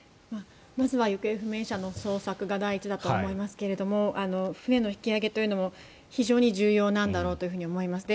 まずは行方不明者の捜索が第一だと思いますが船の引き揚げというのも非常に重要なんだろうと思います。